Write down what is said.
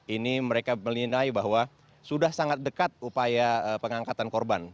ini mereka menilai bahwa sudah sangat dekat upaya pengangkatan korban